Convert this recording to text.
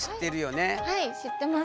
はい知ってます。